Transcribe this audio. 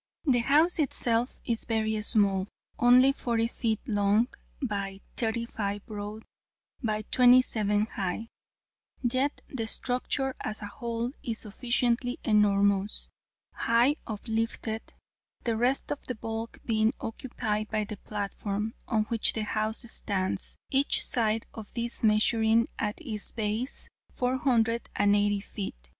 The house itself is very small only 40 ft. long, by 35 broad, by 27 high: yet the structure as a whole is sufficiently enormous, high uplifted: the rest of the bulk being occupied by the platform, on which the house stands, each side of this measuring at its base 480 ft.